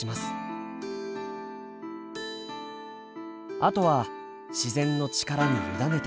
あとは自然の力に委ねて。